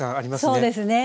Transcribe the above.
そうですね。